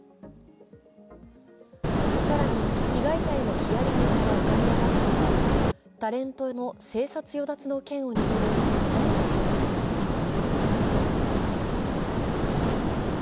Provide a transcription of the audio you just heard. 更に、被害者へのヒアリングから浮かび上がったのは、タレントの生殺与奪の権を握るジャニー氏の存在でした。